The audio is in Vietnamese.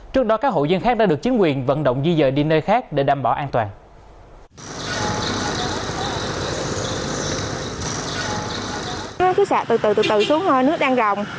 trước đó các hộ dân khác đã được chính quyền vận động di dời đi nơi khác để đảm bảo an toàn